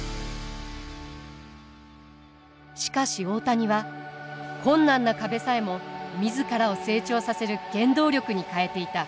しかし大谷は困難な壁さえも自らを成長させる原動力に変えていた。